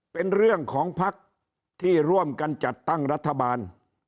เป็นเรื่องของภักดิ์ที่ร่วมกันจัดตั้งรัฐบาล